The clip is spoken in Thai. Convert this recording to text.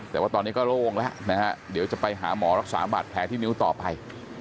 แต่ว่าตอนนี้ก็โล่งแล้วนะฮะเดี๋ยวจะไปหาหมอรักษาบาดแผลที่นิ้วต่อไป